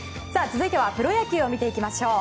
続いてはプロ野球を見ていきましょう。